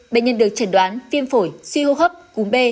bệnh nhân được chẩn đoán viêm phổi suy hô hấp cúm b